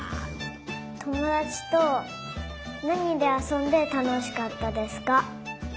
ともだちとなにであそんでたのしかったですか。